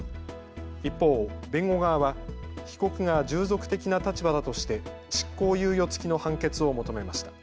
一方、弁護側は被告が従属的な立場だとして執行猶予付きの判決を求めました。